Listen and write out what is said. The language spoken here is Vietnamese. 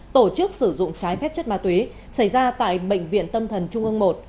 tổ chức sử dụng trái phép chất ma túy xảy ra tại bệnh viện tâm thần trung ương một